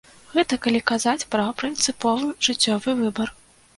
Гэта калі казаць пра прынцыповы жыццёвы выбар.